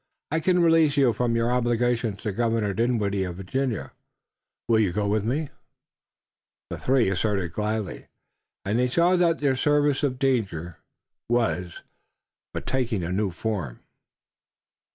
I can release you from your obligations to Governor Dinwiddie of Virginia. Will you go with me?" The three assented gladly, and they saw that their service of danger was but taking a new form.